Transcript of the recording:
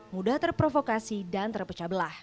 mudah terprovokasi dan terpecah belah